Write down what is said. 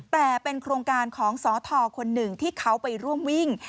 แต่เป็นโครงการของสทคนหนึ่งที่เขาไปร่วมวิ่ง